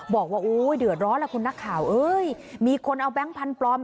บอกว่าโอ้ยเดือดร้อนล่ะคุณนักข่าวเอ้ยมีคนเอาแบงค์พันธุ์ปลอม